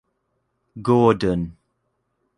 Gordon.